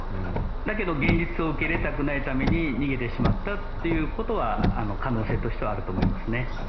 だけど現実を受け入れたくないために逃げてしまったということは可能性としてはあると思います。